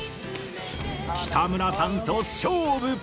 北村さんと勝負。